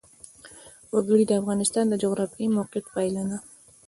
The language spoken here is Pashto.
وګړي د افغانستان د جغرافیایي موقیعت پایله ده.